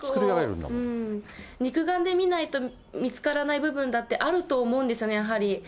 やはり肉眼で見ないと見つからない部分だってあると思うんですよね、やはり。